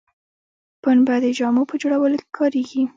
پنبه د جامو په جوړولو کې کاریږي